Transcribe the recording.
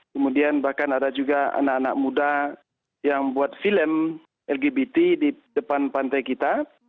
kemudian bahkan ada juga anak anak muda yang buat film lgbt di depan pantai kita